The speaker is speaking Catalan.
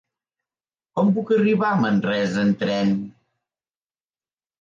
Com puc arribar a Manresa amb tren?